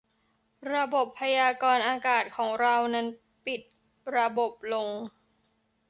ระบบพยากรณ์อากาศของเรา นั้นปิดระบบลง